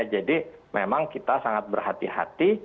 jadi memang kita sangat berhati hati